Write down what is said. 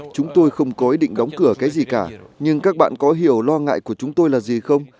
chúng tôi không có ý định đóng cửa cái gì cả nhưng các bạn có hiểu lo ngại của chúng tôi là gì không